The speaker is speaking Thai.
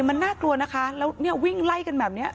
เบบแบบว่าวิ่งไล่กันแบบนี้